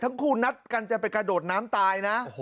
ทั้งคู่นัดกันจะไปกระโดดน้ำตายนะ